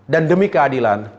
dan demi keadilan